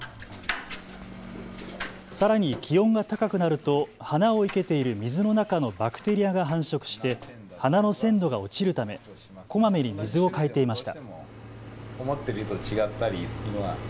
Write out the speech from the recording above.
さらに気温が高くなると花を生けている水の中のバクテリアが繁殖して花の鮮度が落ちるためこまめに水を替えていました。